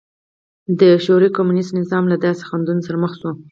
د شوروي کمونېست نظام له داسې خنډونو سره مخ شو